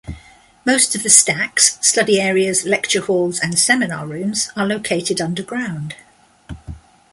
Most of the stacks, study areas, lecture halls and seminar rooms are located underground.